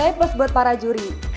kita salah satu